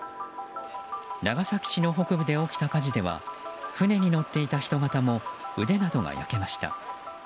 長崎市の北部で起きた火事では船に乗っていたひとがたも腕などが焼けました。